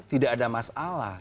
tidak ada masalah